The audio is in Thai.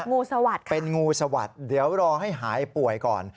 งูสวัสดิ์ค่ะเป็นงูสวัสดิ์เดี๋ยวรอให้หายป่วยก่อน